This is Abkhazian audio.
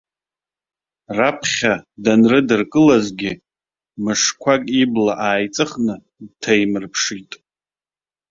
Раԥхьа данрыдыркылазгьы, мышқәак ибла ааиҵыхны дҭаимырԥшит.